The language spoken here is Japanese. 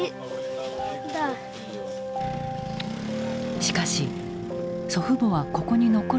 しかし祖父母はここに残る決断をした。